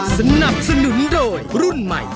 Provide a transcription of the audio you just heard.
สนับสนุนโดยรุ่นใหม่